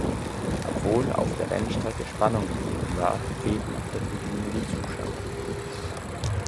Obwohl auf der Rennstrecke Spannung geboten war, fehlten auf der Tribüne die Zuschauer.